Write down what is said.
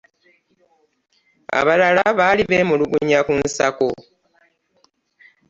Abalala baali beemulugunya ku nsako.